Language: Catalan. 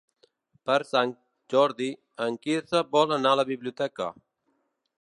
Per Sant Jordi en Quirze vol anar a la biblioteca.